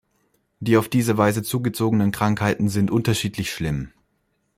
Die auf diese Weise zugezogenen Krankheiten sind unterschiedlich schlimm.